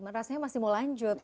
masya allah ahilman masih mau lanjut